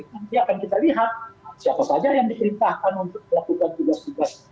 nanti akan kita lihat siapa saja yang diperintahkan untuk melakukan tugas tugas